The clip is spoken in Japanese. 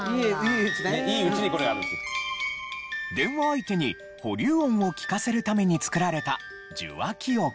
電話相手に保留音を聞かせるために作られた受話器置き。